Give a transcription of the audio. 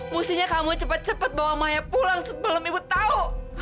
mestinya kamu cepat cepat bawa maya pulang sebelum ibu tahu